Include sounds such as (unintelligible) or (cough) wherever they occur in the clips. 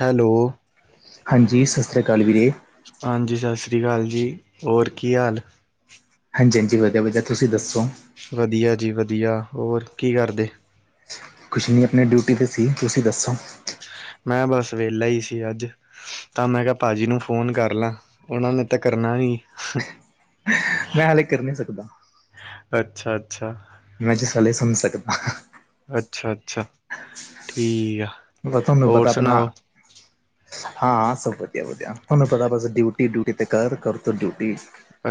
Hello. ਹਾਂਜੀ, ਸਤਿ ਸ੍ਰੀ ਅਕਾਲ ਵੀਰੇ। ਹਾਂਜੀ ਸਤਿ ਸ਼੍ਰੀ ਅਕਾਲ ਜੀ ਹੋਰ ਕੀ ਹਾਲ? ਹਾਂਜੀ, ਹਾਂਜੀ ਵਧੀਆ, ਵਧੀਆ ਤੁਸੀਂ ਦੱਸੋ? ਵਧੀਆ ਜੀ ਵਧੀਆ ਹੋਰ ਕੀ ਕਰਦੇ? ਕੁਛ ਨਹੀਂ ਆਪਣੀ ਡਿਊਟੀ ਤੇ ਸੀ ਤੁਸੀਂ ਦੱਸੋ? ਮੈਂ ਬਸ ਵੇਹਲਾ ਹੀ ਸੀ ਅੱਜ। ਤਾਂ ਮੈਂ ਕਿਹਾ ਭਾਜੀ ਨੂੰ ਫੋਨ ਕਰ ਲਾ, ਉਹਨਾਂ ਨੇ ਤਾਂ ਕਰਨਾ ਨੀ। ਮੈਂ ਹਾਲੇ ਕਰ ਨਹੀਂ ਸਕਦਾ। ਅੱਛਾ, ਅੱਛਾ। ਮੈਂ ਜੀ ਸਾਲੇ ਸਮਝ ਸਕਦਾ। ਅੱਛਾ, ਅੱਛਾ ਠੀਕ ਆ। ਮੈਂ ਉਹ ਤੁਹਾਨੂੰ ਹੋਰ ਪਤਾ ਆਪਣਾ ਸੁਣਾਓ ਹਾਂ ਸਭ ਵਧੀਆ ਵਧੀਆ ਆਪਾਂ ਨੂੰ ਪਤਾ ਬਸ ਡਿਊਟੀ।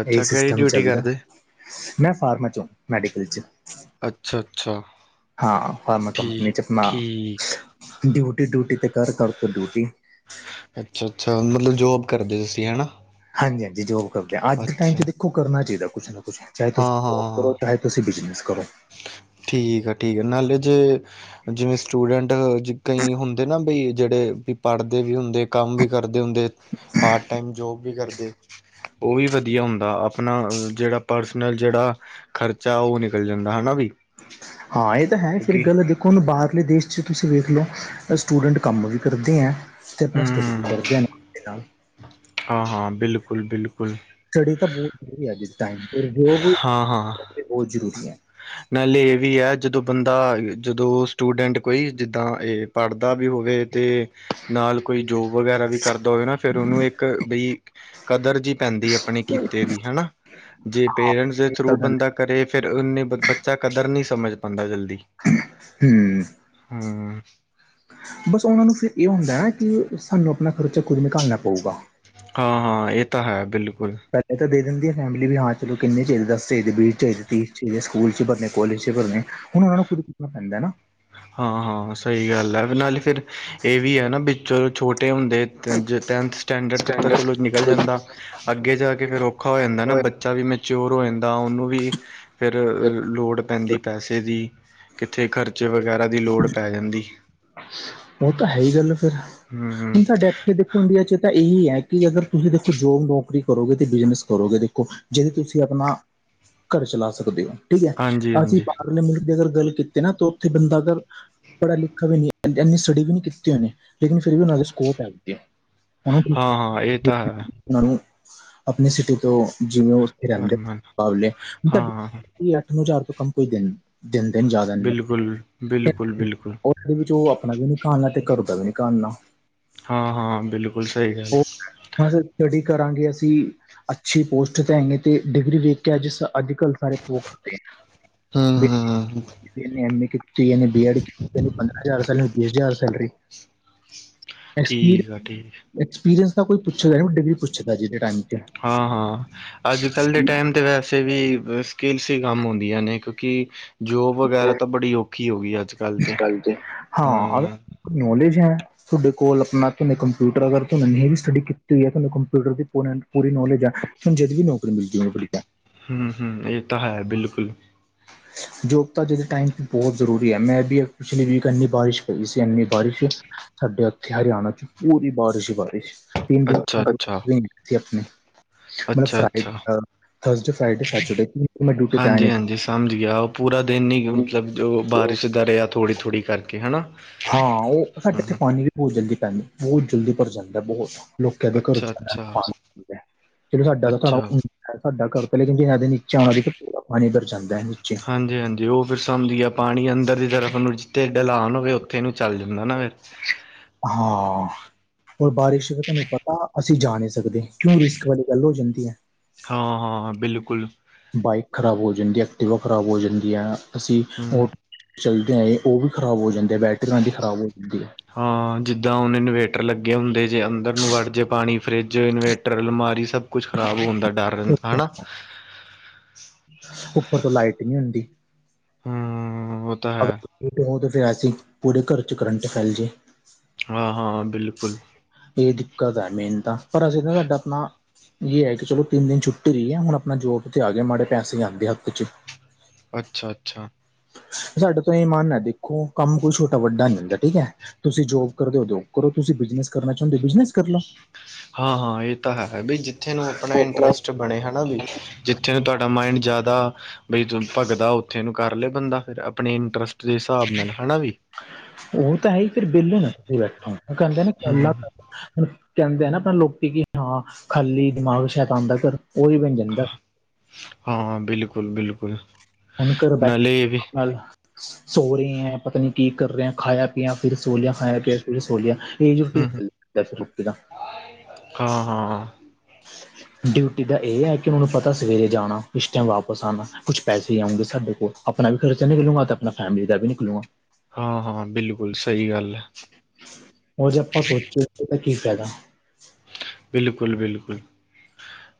ਅੱਛਾ ਕਿਹੜੀ ਡਿਊਟੀ (inaudible) ਕਰਦੇ ਮੈਂ ਫਾਰਮਾ ਚ ਮੈਡੀਕਲ ਚ। ਅੱਛਾ, ਅੱਛਾ। ਹਾਂ ਫਾਰਮਾ ਕੰਪਨੀ ਠੀਕ ਚ ਨਾ ਠੀਕ ਡਿਊਟੀ ਡਿਊਟੀ ਤੇ ਕਰ ਕਰ ਡਿਊਟੀ ਡਿਊਟੀ। ਅੱਛਾ, ਅੱਛਾ ਮਤਲਬ ਜੋਬ ਕਰਦੇ ਹੋ ਤੁਸੀਂ ਹੈ ਨਾ? ਹਾਂਜੀ-ਹਾਂਜੀ ਜੋਬ ਕਰਦੇ ਹਾਂ ਅੱਜ ਦੇ ਟਾਈਮ ਚ ਦੇਖੋ ਕਰਨਾ ਚਾਹੀਦਾ ਕੁਛ ਨਾ ਕੁਛ। ਚਾਹੇ ਹਾਂ ਤੁਸੀਂ ਜੋਬ ਹਾਂ ਕਰੋ ਚਾਹੇ ਤੁਸੀਂ ਬਿਜ਼ਨਸ ਕਰੋ। ਠੀਕ ਆ ਠੀਕ ਆ ਨਾਲੇ ਜੇ। ਜਿਵੇਂ ਸਟੂਡੈਂਟ ਕਈ ਹੁੰਦੇ ਨਾ ਬਈ ਜਿਹੜੇ ਵੀ ਪੜ੍ਹਦੇ ਵੀ ਹੁੰਦੇ ਕੰਮ ਵੀ। ਕਰਦੇ ਹੁੰਦੇ। ਪਾਰਟ ਟਾਈਮ ਜੋਬ ਵੀ ਕਰਦੇ। ਉਹ ਵੀ ਵਧੀਆ ਹੁੰਦਾ ਆਪਣਾ ਜਿਹੜਾ ਪਰਸਨਲ ਜਿਹੜਾ। ਖ਼ਰਚਾ ਉਹ ਨਿਕਲ ਜਾਂਦਾ ਹੈ ਨਾ ਬਈ? ਹਾਂ ਇਹ ਤਾਂ ਹੈ ਫਿਰ ਗੱਲ ਦੇ। ਬਿਲਕੁਲ, ਬਾਹਰਲੇ ਦੇਸ਼ 'ਚ ਤੁਸੀਂ ਵੇਖ ਲਓ ਤਾਂ ਸਟੂਡੈਂਟ ਕੰਮ ਵੀ ਕਰਦੇ ਹੈ। ਤੇ ਪਰ ਸਟੱਡੀ ਵੀ ਕਰਦੇ ਹਨ ਦੇ ਨਾਲ। ਹਾਂ-ਹਾਂ ਬਿਲਕੁਲ-ਬਿਲਕੁਲ। ਸਟੱਡੀ ਤਾਂ ਬਹੁਤ ਜ਼ਰੂਰੀ ਹੈ। ਜਿਸ ਟਾਈਮ ਉਦਯੋਗ ਬਹੁਤ ਜ਼ਰੂਰੀ ਹੈ। (unintelligible) ਮੈ ਲੇ ਵੀ ਆਇਆ ਜਦੋਂ ਬੰਦਾ ਜਦੋਂ ਸਟੂਡੈਂਟ ਕੋਈ ਜਿੱਦਾਂ ਏਹ। ਪੜ੍ਹਦਾ ਵੀ ਹੋਵੇ ਤੇ ਨਾਲ ਕੋਈ ਜੋਬ ਵਗੈਰਾ ਵੀ ਕਰਦਾ ਹੋਵੇ ਨਾ। ਫੇਰ ਉਹਨੂੰ ਇੱਕ ਬਈ ਕਦਰ ਜਿ ਪੈਂਦੀ ਅਪਣੇ ਕਿੱਤੇ ਦੀ ਹਨਾ। ਜੇ ਪੇਰੈਂਟਸ ਦੇ ਇਹ ਤਾਂ ਥਰੂ ਗੱਲ ਬੰਦਾ ਕਰੇ ਫੇਰ ਉਹਨੇ ਬੱਚਾ ਕਦਰ ਨਹੀਂ ਸਮਜ ਪਾਂਦਾ ਜਲਦੀ। ਹੁ। ਹੁ। ਬਸ ਉਹਨਾਂ ਨੂੰ ਫੇਰ ਇਹ ਹੁੰਦਾ ਨਾ ਕਿ ਸਾਨੂੰ ਅਪਨਾ ਖਰਚਾ ਖੁਦ ਨਿਕਾਲਨਾ ਪਊਗਾ। ਹਾਂ-ਹਾਂ ਇਹ ਤਾਂ ਹੈ ਬਿਲਕੁਲ। ਪਹਿਲੇ ਤਾਂ ਦੇ ਦਿੰਦੀ ਆ ਫੈਮਿਲੀ ਵੀ ਹਾਂ ਚਲੋ ਕਿੰਨੇ ਚਾਹੀਦੇ ਦਸ ਚਾਹੀਦੇ ਵੀਹ ਚਾਹੀਦੇ ਤੀਹ ਚਾਹੀਦੇ ਸਕੂਲ ਚ ਭਰਨੇ ਕੋਲਜ ਚ ਭਰਨੇ। ਹੁਣ ਉਹਨਾਂ ਨੂੰ ਖੁਦ ਪੁੱਛਨਾ ਪੈਂਦਾ ਨਾ। ਹਾਂ-ਹਾਂ ਸਹੀ ਗੱਲ ਹੈ ਨਾਲੇ ਫੇਰ ਇਹ ਵੀ ਹੈ ਨਾ ਵਿੱਚ ਛੋਟੇ ਹੁੰਦੇ। ਟੈਂਨ ਟੈਂਨਥ ਸਟੈਂਡਰਡ ਤੱਕ ਤਾਂ ਚੰਗਾ ਚਲੋ। ਨਿਕਲ ਜਾਂਦਾ ਜੀ। ਅੱਗੇ ਜਾ ਕੇ ਫੇਰ ਔਖਾ ਹੋ ਜਾਂਦਾ ਨਾ ਓਏ, ਬੱਚਾ ਵੀ ਮੈਚੋਓਰ ਹੋ ਜਾਂਦਾ। ਤਾਂ ਉਹਨੂੰ ਵੀ ਫੇਰ ਫਿਰ ਲੋੜ ਪੈਂਦੀ ਪੈਸੇ ਦੀ ਕਿੱਥੇ ਖਰਚੇ ਵ। ਉਹ ਤਾਂ ਹੈ ਈ ਗੱਲ ਫੇਰ ਹੂੰ ਹੁਣ ਸਾਡੇ ਇੱਥੇ ਦੇ। ਇੰਡੀਆ ਚ ਤਾਂ ਇਹੀ ਹੈ ਕਿ ਅਗਰ ਤੁਸੀਂ ਦੇਖੋ ਜੋਬ ਨੌਕਰੀ ਕਰੋਗੇ ਤੇ ਬਿਜਨਸ ਕਰੋਗੇ ਦੇਖੋ। ਜਿਹਦੇ ਤੁਸੀਂ ਅਪਨਾ ਘਰ ਚਲਾ ਸਕਦੇ ਹੋ ਠੀਕ ਹੈ ਅਸੀਂ ਹਾਂਜੀ-ਹਾਂਜੀ ਬਾਹਰਲੇ ਮੁਲਕ। ਦੀ ਅਗਰ ਗੱਲ ਕਿਤੀ ਨਾ ਤੋ ਉੱਥੇ ਬੰਦਾ ਅਗਰ। ਪੜਾ ਲਿਖਾ ਵੀ ਨਹੀਂ ਇੰਨੀ ਸਟੱਡੀ ਵੀ ਨੀ ਕੀਤੀ ਉਹਨੇ ਲੇਕਿਨ ਫਿਰ ਵੀ ਉਹਨਾਂ ਦੇ ਸਕੋਪ ਹੈ। ਉਹ ਹਾਂ-ਹਾਂ ਇਹ ਤਾਂ ਹੈ ਉਹਨਾਂ ਨੂੰ ਆਪਣੀ ਸਿਟੀ ਤੋਂ ਜਿਵੇਂ ਉਹ। (unintelligible) ਰਹਿੰ ਹਰਮਨ ਤੁਹਾ ਹਾਂ ਅੱਠ ਨੂੰ ਹਜ਼ਾਰ ਤੋਂ ਕੰਮ ਕੋਈ ਦਿਣ। (unintelligible) ਦੇਦਾ ਨਿ ਜ਼ਿਆਦਾ ਨ। (unintelligible) ਬਿਲਕੁਲ-ਬਿਲਕੁਲ-ਬਿਲਕੁਲ ਇਹਦੇ ਵਿੱਚ ਉਹ ਅਪਨਾ ਵੀ ਨੀ ਕਾਰਨਾ ਤੇ ਘਰ ਦਾ ਵੀ ਨੀ ਕਾਰਨਾ। ਹਾਂ-ਹਾਂ ਬਿਲਕੁਲ ਸਹੀ ਗੱਲ। ਹੁਣ ਸਟੱਡੀ ਕਰਾਂਗੇ ਅਸੀਂ ਅੱਛੀ ਪੋਸਟ ਤੇ ਹੈਗੇ ਤੇ ਡਿਗਰੀ ਵੇਖ। ਕਿ ਅੱਜ ਸਾਡਾ ਘਰ ਸਾਰਾ ਜੌਬ ਤੇ ਹ। (unintelligible) ਹੁ ਹੁ ਹੁ। ਇਹਨੇ ਐਮ ਏ ਕੀਤੀ ਇਹਨੇ ਬੀ ਐਡ ਕੀਤੀ ਇਹਨੇ ਪੰਦਰਾਂ ਹਜ਼ਾਰ ਸੈਲਰੀ ਬੀਹ ਹਜ਼ਾਰ ਸੈਲਰੀ। ਹ। (inaudible) ਠੀਕ ਆ ਠੀਕ। ਐਕਸਪੀਰੀੰਸ ਤਾ ਕੋਈ ਪੁੱਛਦਾ ਨੀ ਡਿਗਰੀ ਪੁੱਛਦਾ ਅੱਜ ਦੇ ਟਾਇਮ ਚ। ਕਿਤੇ ਵੀ ਸਕਿੱਲਸ ਹੀ ਕੰਮ ਆਂਦੀਆਂ ਨੇ ਕਿਉਂਕਿ ਜੋਬ ਵਗੈਰਾ ਤਾਂ ਬੜੀ ਔਖੀ ਹੋ ਗਈ ਅੱਜ ਕ। ਹਾਂ ਅਰ ਨੌਲੇਜ ਹੈ। ਤੁਹਾਡੇ ਕੋਲ ਅਪਨਾ ਤੁਹਨੇ ਕੰਪਿਊਟਰ ਅਗਰ ਤੁਹਾਨੂੰ ਵੀ ਸਟੱਡੀ ਕੀਤੀ ਹੋਈ ਹੈ ਤੁਹਾਨੂੰ ਕੰਪਿਊਟਰ ਦੀ ਪ। ਪੂਰੀ ਨੌਲੇਜ ਆ ਤੁਹਾਨੂੰ ਜਦ ਵੀ ਨੌਕਰੀ ਮਿਲਦੀ ਉਹ। ਹੂ ਹੂ ਇਹ ਤਾਂ ਹੈ ਬਿਲਕੁਲ ਹ (inaudible) (inaudible) ਜੋੋਬ ਤਾਂ ਅਜੇ ਦੇ ਟਾਈਮ ਵੀ ਬੋਤ ਜ਼ਰੂਰੀ ਹੈ ਮੈਂ ਬੀ ਪਿਛਲੀ ਵੀਕ ਏਨੀ ਬਾਰਿਸ਼ ਪਈ ਸੀ ਏਨੀ ਬਾਰਿਸ਼ ਸਾਡੇ ਉੱਥੇ ਹਰਿਆਣਾ ਚ ਪੂਰੀ ਬਾਰਿਸ਼ ਹੀ ਬਾਰਿਸ਼। ਤਿੰਨ ਦਿਨ ਅੱਛਾ-ਅੱਛਾ, ਰਹੀ ਸੀ ਅਪਨੇ ਮਲਬ ਫਰਾ ਅੱਛਾ-ਅੱਛਾ, ਥਰਸਡੇ, ਫ੍ਰਾਈਡੇ, ਸੈਚਰਡੇ ਤੇ ਮੈਂ ਡਿਊਟੀ ਤੇ ਆਇਆ ਨਹੀਂ। ਹਾਂਜੀ-ਹਾਂਜੀ ਸਮਝ ਗਿਆ ਉਹ ਪੂਰਾ ਦਿਨ ਈ ਮਤਲਬ ਜੋ ਬਾਰਿਸ਼ ਦਾ ਰਿਹਾ ਥੋੜ੍ਹੀ ਥੋੜ੍ਹੀ ਕਰਕੇ ਹੈਨਾ। ਹਾਂ ਉਹ ਸਾਡੇ ਇੱਥੇ ਪਾਨੀ ਵੀ ਬੋਤ ਜਲਦੀ ਪੈਂਦਾ ਬਹੁਤ ਜਲਦੀ ਭਰ ਜਾਂਦਾ ਬੋਤ ਲੋਕਾਂ ਦੇ ਘਰੋ ਚ ਅੱਛਾ-ਅੱਛਾ, (unintelligible) ਚਲੋ ਸਾਡਾ ਤਾਂ ਅੱਛਾ ਤੁਹਾਡਾ ਘਰ ਤਾਂ ਲੇਕਿਨ ਹੈ ਤੇ ਨੀ। ਏਦਰ ਜਾਂਦੈ ਨੀਚੇ। ਹਾਂਜੀ-ਹਾਂਜੀ, ਓ (unintelligible) ਹੁੰਦੀ ਐ ਪਾਣੀ ਅੰਦਰ ਦੀ ਤਰਫ ਓਨੂੰ ਜਿੱਥੇ ਡਲਾਨ ਹੋਵੇ ਓਥੇ ਨੂੰ ਚੱਲ ਜਾਂਦਾ ਨਾ ਫੇਰ ਹਾਂ, ਹੋਰ ਬਾਰਿਸ਼ (unintelligible) ਤਾਂ, ਅਸੀਂ ਜਾ ਨੀ ਸਕਦੇ ਕਿਉਂ ਰਿਕਕ ਵਾਲੀ ਗੱਲ ਹੋ ਜਾਂਦੀ ਏ। ਹਾਂ-ਹਾਂ, ਬਿਲਕੁਲ। ਬਾਈਕ ਖ਼ਰਾਬ ਹੋ ਜਾਂਦੀ ਆ, ਐਕਟਿਵਾ ਖਰਾਬ ਹੋ ਜਾਂਦੀ ਆ ਅਸੀਂ ਓ ਹੂੰ ਚਲਦੇ ਆਏ ਓ ਵੀ ਖਰਾਬ ਹੋ ਜਾਂਦੀ ਆ, ਬੈਟਰੀਆਂ ਓਨਾ ਦੀ ਖਰਾਬ ਹੋ ਜਾਂਦੀ ਐ। ਹਾਂ, ਜਿੱਦਾਂ ਹੁਨ ਇਨਵੇਟਰ ਲੱਗੇ ਹੁੰਦੇ ਜੇ ਅੰਦਰ ਨੂੰ ਵੱੜ ਜੇ ਪਾਣੀ ਫ੍ਰੀਜ, ਇਨਵੇਟਰ, ਅਲਮਾਰੀ ਸਬ ਕੁਛ ਖਰਾਬ ਹੋਨ ਦਾ ਡਾਰ ਹੈ ਰੈਂਦਾ ਹਣਾ। ਉੱਪਰ ਤੋਂ ਲਾਈਟ ਈ ਨੀ ਹੁੰਦੀ। ਹੂੰ ਉਹ ਤਾਂ ਹੈ ਅਗਰ (unintelligible) ਫਿਰ ਐਸੀ ਪੂਰੇ ਘਰ ਚ ਕਰੰਟ ਫੈਲ ਜੇ। ਹਾਂ-ਹਾਂ ਬਿਲਕੁਲ। ਏ ਦਿੱਕਤ ਐ ਮੇਨ ਤਾਂ, ਪਰ ਅਸੀਂ ਨਾ ਸਾਡਾ ਅਪਨਾ ਯੇ ਹੈ ਕਿ ਚਲੋ ਤਿੰਨ ਦਿਨ ਛੁੱਟੀ ਰੀ ਐ ਹੁਣ ਅਪਣਾ ਜੋਬ ਤੇ ਆ ਗੇ ਮਾੜੇ ਪੈਸੇ ਆਂਦੇ ਹਾੱਥ ਚ। ਅੱਛਾ-ਅੱਛਾ। ਸਾਡੇ ਤੋਂ ਏ ਮਨ ਐ ਦੇਖੋ, ਕਾੰਮ ਕੋਈ ਛੋਟਾ-ਵੱਡਾ ਨੀ ਹੁੰਦਾ ਠੀਕ ਐ। ਤੁਸੀ ਜੋਬ ਕਰਦੇ ਓ ਜੋਬ ਕਰੋ, ਤੁਸੀ ਬਿਜ਼ਨਸ ਕਰਨਾ ਚਾਂਦੇ ਓ ਬਿਜਨਸ ਕਰ ਲੋ। ਹਾਂ-ਹਾਂ ਏ ਤਾਂ ਹੈ, ਬਈ ਜਿੱਥੇ ਨੂੰ ਅਪਣਾ ਇੰਟਰਸਟ ਉਹ ਬਣੇ ਹਣਾ ਬਈ। ਜਿੱਥੇ ਨੂ ਤੁਆਡਾ ਮਾਇੰਡ ਜਾਦਾ ਬਈ ਤ ਭਗਦਾ ਓਥੇ ਨੂੰ ਕਾਰ ਲੇ ਬੰਦਾ ਫਿਰ ਅਪਣੇ ਇੰਟਰਸਟ ਦੇ ਸ੍ਹਾਬ ਨਾਲ ਹਣਾ ਵਈ। ਓ ਤਾਂ ਹੈ ਈ ਫੇਰ ਵੇਲੇ ਨਾ ਤੂਸੀ ਬੈਠੋ, ਓ ਕੈਂਦੇ ਨੇ ਕੌਲਾ ਹੂੰ ਕਰੋ ਹੂਣ ਕੈਂਦੇ ਏ ਨਾ ਲੋਕੀ ਕਿ ਹਾਂ, ਖਾਲੀ ਦਿਮਾਗ ਸ਼ੈਤਾਨ ਦਾ ਘਰ ਓਈ ਬਨ ਜਾਂਦੈ। ਹਾਂ, ਬਿਲਕੁਲ-ਬਿਲਕੁਲ। ਹੁਣ ਘਰ ਬੈਠੇ ਨਾਲ (unintelligible) (inaudible) ਹਾਂ-ਹਾਂ। ਡਿਊਟੀ ਦਾ ਏ ਆ ਕੇ ਓਣੂ ਪਤਾ ਸਵੇਰੇ ਜਾਣਾ, ਇਸ ਟਾਈਮ ਵਾਪਸ ਆਨਾ ਕੁਛ ਪੈਸੇ ਆਉਂਗੇ ਸਾਡੇ ਕੋਲ। ਅਪਣਾ ਵੀ ਖਰਚਾ ਨਿਕਲੂੰਗਾ ਤੇ ਅਪਨਾ ਫੈਮਲੀ ਦਾ ਵੀ ਨਿਕਲੂਂਗਾ। ਹਾਂ-ਹਾਂ, ਬਿਲਕੁਲ ਸਈ ਗਾੱਲ ਐ। ਓ ਜੇ ਆਪਾਂ ਸੋਚੀਏ ਓਦਾ ਕੀ ਫੈਦਾ। ਬਿਲਕੁਲ-ਬਿਲਕੁਲ,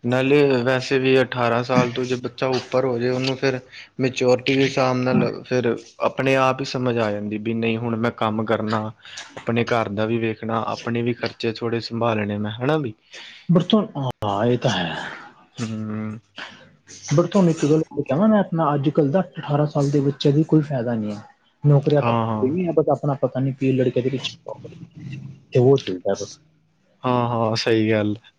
ਨਾਲੇ ਅ ਵੈਸੇ ਵੀ ਅਠਾਰਾਂ ਸਾਲ ਤੋਂ ਜ ਬੱਚਾ ਉੱਪਰ ਹੋ ਜੇ ਓਨੂੰ ਫੇਰ। ਮੇਚੋਰਟੀ ਦੇ ਸ੍ਹਾਬ ਨਾਲ ਅ, ਫੇਰ ਅਪਣੇ ਆਪ ਈ ਸਮਝ ਆ ਜਾਂਦੀ ਬੀ ਨਈ ਹੁਣ ਮੈਂ ਕਾੰਮ ਕਰਨਾ, ਆਪਣੇ ਘਾਰ ਦਾ ਵੀ ਵੇਖਣਾ ਆਪਣੇ ਵੀ ਖਰਚੇ ਥੋੜੇ ਸੰਭਾਲਣੇ ਮੈਂ। ਹਣਾਂ ਬਈ (inaudible) ਹੂੰ। (inaudible) ਬਟ ਥੋਨੂੰ ਇੱਕ ਗੱਲ ਅ ਕੈਵਾਂ ਮੈਂ, ਮੈਂ ਆੱਜ-ਕਾਲ ਤਾ ਅੱਠ ਅਠਾਰਾਂ ਸਾਲ ਦੇ ਬੱਚੇਆਂ ਦੇ ਕੋਈ ਫੈਦਾ ਨੀ ਐ। ਨੌਕਰੀਆਂ ਹਾਂ ਤਾਂ ਹਾਂ ਨ ਬ ਆਪਣਾ ਪਤਾ ਨੀ ਕੀ ਲੜਕੇ ਦੇ ਪਿੱਛੇ (unintelligible) ਚੱਲਦਾ ਬਸ ਹਾਂ-ਹਾਂ, ਸਈ ਗੱਲ ਏ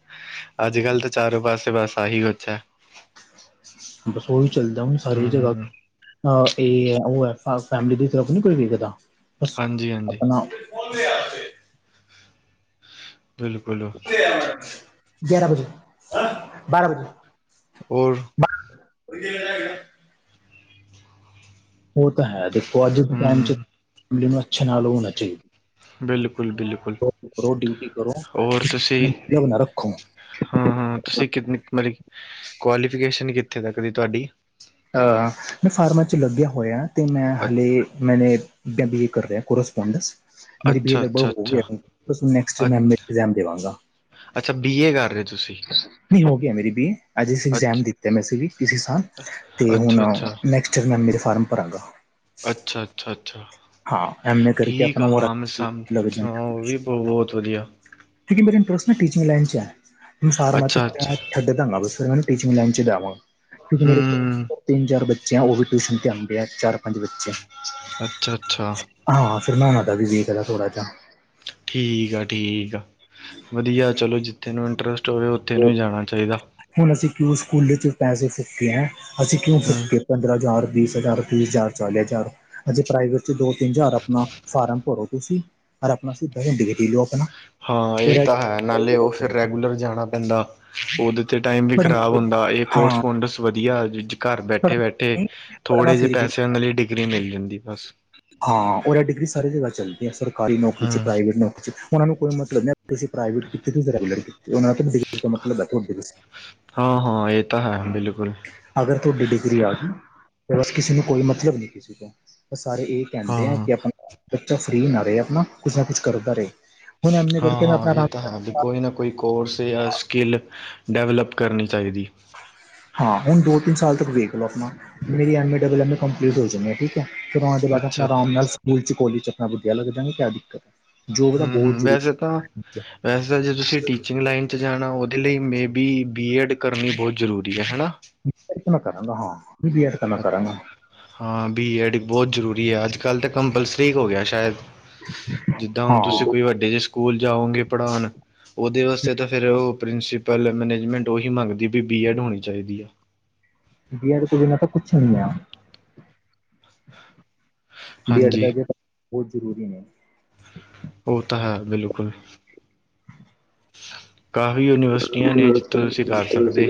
ਆੱਜ-ਕਾੱਲ ਤੇ ਚਾਰੋਂ ਪਾਸੇ ਬਾੱਸ ਆਹੀ ਕੋਛ ਐ। ਬੱਸ ਓਈ ਚੱਲਦਾ ਸਾਰੀ ਜਗਾ। ਹਮ ਅ ਇਹ ਹੈ ਉਹ ਹੈ ਫੈਮਲੀ ਦੀ ਤਰਫ ਨਹੀਂੀ ਕੋਈ ਵੇਖਦਾ ਬਸ ਹਾਂਜੀ ਹਾਂਜੀ ਆਪਣਾ ਬਿਲਕੁਲ ਗਿਆਰਾਂ ਵਜੇ ਬਾਰਾਂ ਵਜੇ ਔਰ (unintelligible) ਉਹ ਤਾਂ ਹੈ ਦੇਖੋ ਅੱਜ ਦੇ ਟਾਈਮ ਚ ਹਮ ਫੈਮਿਲੀ ਨੂੰ ਅੱਛੇ ਨਾਲ ਹੋਣਾ ਬਿਲਕੁਲ ਬਿਲਕੁਲ ਚਾਹੀਦਾ ਕਰੋ ਡਿਊਟੀ ਕਰੋ ਔਰ ਤੁਸੀਂ ਬਣਾ ਰੱਖੋ ਹਾਂ ਹਾਂ ਤੁਸੀਂ ਕਿਨੀ ਮਤਲਬ ਕੁਆਲੀਫਿਕੇਸ਼ਨ ਕਿੱਥੇ ਤੱਕ ਦੀ ਤੁਹਾਡੀ ਅ ਮੈਂ ਫਾਰਮਾ ਚ ਲੱਗਿਆ ਹੋਇਆ ਤੇ ਮੈਂ ਹਾਲੇ ਮੈਨੇ ਐਮ ਬੀ ਏ ਕਰ ਰਿਹਾ ਕੋਰਸਪੋਂਡਸ ਮੇਰੇ ਬੀ ਅੱਛਾ, ਅੱਛਾ, ਲਗਭਗ ਹੋ ਅੱਛਾ, ਗਿਆ ਬਸ ਨੇਕਸੱਟ ਅੱਛ ਐਗਸਾਮ ਦੇਵਾਂਗਾ ਅੱਛਾ ਬੀ ਏ ਕਰ ਰਹੇ ਓ ਤੁਸੀਂ ਨਹੀਂ ਹੋ ਗਿਆ ਮੇਰੀ ਬੀ ਏ ਅੱਜ ਇਗਜਾਮ ਅੱਛ ਦਿਤਾ ਵੀ ਇਸੇ ਸਾਲ ਤੇ ਹੁਣ ਅੱਛਾ, ਅੱਛਾ, ਨੈਕਸਟ ਚ ਮੈਂ ਮੇਰੇ ਫਾਰਮ ਭਰਾਂ ਗਾ ਅੱਛਾ ਅੱਛਾ ਅੱਛਾ ਹਾਂ ਐਮ ਏ ਕਰਕੇ ਠੀਕ ਆਪਣਾ ਆ ਵ ਹਾਂ ਮੈਂ ਸਮ ਹਾਂ ਵੀ ਉਹ ਬਹੁਤ ਵਧੀਆ ਤੁ ਮੇ ਇੰਟਰਸਟ ਵੀ ਟੀਚਿੰਗ ਲਈਨ ਚ ਫਾਰਮਾਂ ਅੱਛਾ, ਅੱਛਾ ਛੱਡ ਦਗਾ ਬ ਮੈਨੂੰ ਟੀਚਿੰਗ ਲਾਈਨ ਚ ਜਾਵਾਂਗਾ ਕਿਉਂਕਿ ਮੇਰੇ ਹੂੰ ਤਿੰਨ ਚਾਰ ਬੱਚੇ ਆ ਉਹ ਵੀ ਟਿਊਸ਼ਨ ਤੇ ਆਉਂਦੇ ਆ ਚਾਰ ਪੰਜ ਬੱਚੇ ਅੱਛਾ ਅੱਛਾ ਹਾਂ ਫਿਰ ਨਾ ਹੁਣ ਵੀ ਵੇਖਦਾ ਥੋੜਾ ਜਿਹਾ ਠੀਕ ਆ ਠੀਕ ਆ ਵਧੀਆ ਚਲੋ ਜਿੱਥੇ ਨੂੰ ਇੰਟਰਸਟ ਹੋਵੇ ਉੱਥੇ ਨੂੰ ਵੀ ਜਾਣਾ ਚਾਹੀਦਾ ਹੁਣ ਅਸੀਂ ਕਿਉਂ ਸਕੂਲੇ ਚ ਪੈਸੇ ਫੂਕੇ ਹੈ ਅਸੀਂ ਕਿਉਂ ਹੂੰ ਫੂੱਕ ਪੰਦਰਾਂ ਹਜ਼ਾਰ ਬੀਸ ਹਜ਼ਾਰ ਤੀਹ ਹਜ਼ਾਰ ਚਾਲੀ ਹਜ਼ਾਰ ਅਜੇ ਪ੍ਰਾਈਵੇਟ ਚ ਦੋ ਤਿੰਨ ਹਜ਼ਾਰ ਆਪਣਾ ਫਾਰਮ ਭਰੋ ਤੁਸੀਂ ਯ ਆਪਣਾ ਸਿੱਧਾ ਘੰਟੇ ਦੇ ਲਓ ਆਪਣਾ ਹਾਂ ਇਹ ਤਾਂ ਹੈ ਨਾਲੇ ਉਹ ਫਿਰ ਰੈਗੂਲਰ ਜਾਣਾ ਪੈਂਦਾ ਉਹਦੇ ਅਤੇ ਟਾਈਮ ਵੀ ਖ਼ਰਾਬ ਹੁੰਦਾ ਇਹ ਹਾਂ ਕੋਰਸਪੋਡਸ ਵਧੀਆ ਘਰ ਬੈਠੇ ਪੜ੍ਹਨਾ ਬੈਠੇ ਪੜ੍ਹਨਾ ਥੋੜੇ ਜਿਹੇ ਫਿਰ ਵੀ ਪੈਸੇ ਉਹਨਾਂ ਲਈ ਡਿਗਰੀ ਮਿਲ ਜਾਂਦੀ ਬਸ ਹਾਂ ਉਹ ਡਿਗਰੀ ਸਾਰੀ ਜਗ੍ਹਾ ਚੱਲਦੀ ਐ ਸਰਕਾਰੀ ਨੌਕਰੀ ' ਹੂੰ ਪ੍ਰਾਈਵੇਟ ਨੌਕਰੀ ' ਉਹਨਾਂ ਨੂੰ ਕੋਈ ਮਤਲਬ ਤੁਸੀ ਪ੍ਰਾਈਵੇਟ ਕੀਤੀ ਕੇ ਤੁਸੀਂ ਰੈਗੂਲਰ ਉਹ ਮਤਲਬ ਤੁਹਾਡੇ ਹਾਂ ਹਾਂ ਇਹ ਤਾਂ ਹੈ ਬਿਲਕੁਲ ਅਗਰ ਤੁਹਾਡੀ ਡਿਗਰੀ ਆ ਗਈ ਤਾਂ ਬਸ ਕਿਸੇ ਨੂੰ ਕੋਈ ਮਤਲਬ ਨਹੀਂ ਕਿਸੇ ਤੋਂ ਬ ਸਾਰੇ ਕਹਿੰਦੇ ਆ ਹਾਂ ਕਿ ਆਪਣਾ ਬੱਚਾ ਫਰੀ ਨਾ ਰਹੇ ਆਪਣਾ ਕੁਛ ਨਾ ਕੁਛ ਕਰਦਾ ਰਹੇ ਹੁਣ ਐਮ ਏ ਹਾਂ ਕਰਕੇ ਮੈਂ ਹਾਂ ਇਹ ਆਪਣਾ ਤਾਂ ਹਾਂ ਵੀ ਕੋਈ ਨਾ ਕੋਈ ਕੋਰਸ ਜਾਂ ਸਕਿੱਲ ਡਿਵਲਪ ਕਰਨੀ ਚਾਹੀਦੀ ਹਾਂ ਹੁਣ ਦੋ ਤਿੰਨ ਸਾਲ ਤੱਕ ਵੇਖ ਲਓ ਆਪਣਾ ਮੇਰੀ M A double M A complete ਹੋ ਚੁੱਕੇ ਐਂ ਜੀ ਠੀਕ ਫਿਰ ਉਹ ਦੇ ਬਾਅਦ ਆਪਣਾ ਅੱਛਾ ਆਰਾਮ ਨਾਲ ਸਕੂਲ (unintelligible) ਚ ਆਪਣਾ ਵਧੀਆ ਲਗ ਜਾਗੇ ਕਿਆ ਦਿੱਕਤ ਐ ਹਮ ਹਮ ਵੈਸੇ ਤਾਂ ਵੈਸੇ ਤਾਂ ਜੇ ਤੁਸੀਂ ਟੀ ਟੀਚਿੰਗ ਲਾਈਨ 'ਚ ਜਾਣਾ ਉਹਦੇ ਲਈ ਮੇ ਬੀ ਬੀ ਐਡ ਕਰਨੀ ਬਹੁਤ ਜ਼ਰੂਰੀ ਐ ਹੈ ਨਾ ਬੀ ਐਡ ਤਾਂ ਕਰਾਂਗਾ ਹਾਂ ਬੀ ਐਡ ਤਾਂ ਮੈਂ ਕਰਾਂ ਗਾ ਹਾਂ ਬੀ ਐ ਡ ਬਹੁਤ ਜ਼ਰੂਰੀ ਹੈ ਅੱਜ ਕੱਲ੍ਹ ਤਾਂ ਕੰਪਲਸਰੀ ਹੋ ਗਿਆ ਸ਼ਾਇਦ ਜਿੱਦਾਂ ਹੁਣ ਤੁਸੀਂ ਹਾਂ ਕੋਈ ਵੱਡੇ ਜਿਹੇ ਸਕੂਲ ਜਾਓਗੇ ਪੜ੍ਹਾਉਣ ਉਹਦੇ ਵਾਸਤੇ ਤਾਂ ਫਿਰ ਪ੍ਰਿੰਸੀਪਲ ਮੈਨੇਜਮੈਂਟ ਉਹੀ ਮੰਗਦੀ ਵੀ ਬੀ ਐਡ ਹੋਣੀ ਚਾਹੀਦੀ ਆ ਬੀਐਡ ਤੋਂ ਬਿਨਾਂ ਤਾਂ ਕੁੱਛ ਨਹੀਂ ਆ। ਬੀਐਡ ਹਾਂਜੀ ਤਾਂ ਜੀ ਬਹੁਤ ਜ਼ਰੂਰੀ ਨੇ। ਉਹ ਤਾਂ ਹੈ ਬਿਲਕੁਲ। ਕਾਫ਼ੀ (inaudible) ਯੂਨੀਵਰਸਿਟੀਆਂ ਨੇ ਜਿੱਥੋਂ ਤੁਸੀਂ ਕਰ ਸਕਦੇ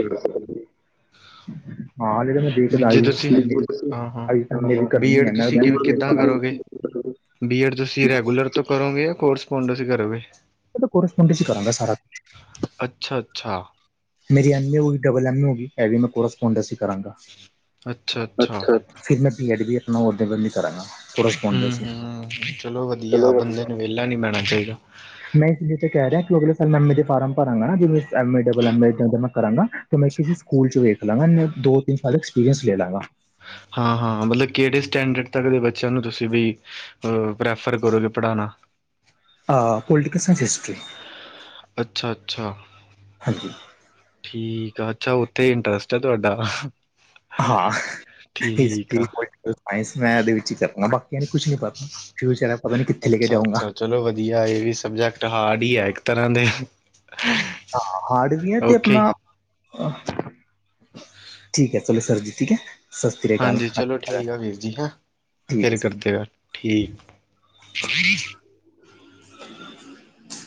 ਹਾਂ ਜਿਹੜਾ ਮੈਂ ਵੀ ਦੇਖਦਾ ਜੇ ਤੁਸੀਂ ਹਾਂ ਹਾਂ ਬੀਐਡ ਤੁਸੀਂ ਕਿਵੇਂ ਕਿੱਦਾਂ ਕਰੋਗੇ (unintelligible) ਬੀਐਡ ਤੁਸੀ ਰੈਗੂਲਰ ਤੋਂ ਕਰੋਗੇ ਯਾ ਕੋਰਸ ਪੌਂਡੇਸ ਤੋਂ ਕਰੋਗੇ? ਕੋਰਸ ਪੌਂਡਸ ਚ ਕਰਾਂਗਾ ਸਾਰਾ ਕੁਛ। ਅੱਛਾ ਅੱਛਾ। ਮੇਰੀ ਐਮ ਏ ਹੋ ਗਈ ਡਬਲ ਐਮ ਏ ਹੋ ਗਈ ਐਹ ਵੀ ਮੈਂ ਕੋਰਸ ਪੌਂਨਡਸ ਕਰਾਂਗਾ। ਅੱਛਾ, ਅੱਛਾ। ਫੇਰ ਮੈਂ ਬੀ ਐਡ ਵੀ ਅਪਣਾ ਉਹਦੇ ਵੱਲ ਹੀ ਕਰਾਂਗਾ। ਹੂੰ, ਕੋਰਸਪੋਂਡੈਂਸ ਹੀ ਹੂੰ ਚਲੋ ਵਧੀਆ ਬੰਦੇ ਨੂੰ ਵਿਹਲਾ ਨੀ ਬੈਣਾ ਚਾਹੀਦਾ। ਮੈਂ ਇਸ ਲਈ ਤੇ ਕਹਿ ਰਿਹਾ ਕਿ ਅਗਲੇ ਸਾਲ ਮੈਂ ਐਮ ਏ ਦੇ ਫਾਰਮ ਭਰਾਂਗਾ ਨਾ ਜਿਦੇ ਚ M A double M A ਕਰਾਂਗਾ। ਤੇ ਮੈਂ ਕਿਸੇ ਸਕੂਲ ਚ ਵੇਖ ਲਾਂਗਾ ਦੋ ਤਿੰਨ ਸਾਲ ਐਕਸਪੀਰੀਅੰਸ ਲੇ ਲਾਂਗਾ। ਹਾਂ, ਹਾਂ ਮਤਲਬ ਕਿਹੜੇ ਸਟੈਂਡਰਡ ਤੱਕ ਦੇ ਬੱਚਿਆਂ ਨੂੰ ਤੁਸੀ ਵੀ ਅ ਪ੍ਰੈਫਰ ਕਰੋਗੇ ਪੜਾਉਣਾ। ਆ ਪੋਲਟੀਕਲ ਸਾਇੰਸ, ਹਿਸਟਰੀ। ਅੱਛਾ, ਅੱਛਾ। ਹਾਂਜੀ। ਠੀਕ ਆ, ਅੱਛਾ ਓਥੇ ਇੰਟਰਸਟ ਐ ਤੁਹਾਡਾ। ਹਾਂ, ਠੀਕ ਹਿਸਟਰੀ, ਆ ਪੋਲਟ ਸਾਇੰਸ ਮੈਂਥ ਏਹਦੇ ਵਿੱਚ ਈ ਕਰਨਾ। ਬਾਕੀਆਂ ਨੇ ਕੁਛ ਨੀ ਪਤਾ ਫਿਊਚਰ ਐ ਪਤਾ ਨੀ ਕਿੱਥੇ ਲੈ ਕੇ ਅੱਛਾ ਜਾਊਂਗਾ। ਅੱਛਾ ਚਲੋ ਵਧੀਆ ਏ ਇਹ ਵੀ ਸਬਜੈਕਟ ਹਾਰਡ ਈ ਐ ਇੱਕ ਤਰ੍ਹਾਂ ਦੇ। ਹਾਂ ਹਾਰਡ ਵੀ ਐ ਤੇ ਓਕੇ ਅਪਣਾ ਅਹ ਠੀਕ ਐ ਚਲੋ ਸਰ ਜੀ ਠੀਕ ਐ। ਹਾਂਜੀ ਚਲੋ ਠੀਕ ਆ ਵੀਰ ਜੀ ਹੈਂ, ਹੈ ਫਿਰ ਸਰ। ਕਰਦੇ ਆਂ ਗੱਲ ਠੀਕ। (unintelligible) (inaudible)